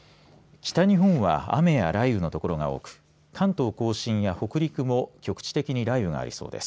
北日本は雨や雷雨の所が多く関東甲信や北陸も局地的に雷雨がありそうです。